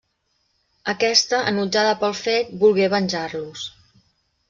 Aquesta, enutjada pel fet, volgué venjar-los.